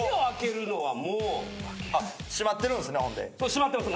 閉まってます。